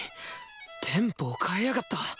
テンポを変えやがった！